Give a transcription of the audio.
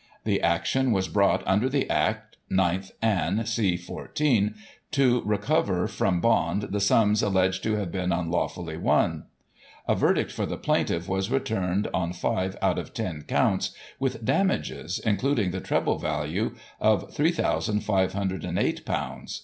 The action was brought under the Act 9th Anne, c 14, to recover from Bond the sums alleged to have been unlawfully won. A verdict for the plaintiff was returned on five out of ten counts, with damages including the treble value of ;f 3,508, the sum lost Half the damages went to the parish.